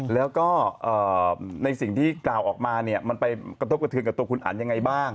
แล้วก็ในสิ่งที่กล่าวออกมาเนี่ยมันไปกระทบกระเทือนกับตัวคุณอันยังไงบ้าง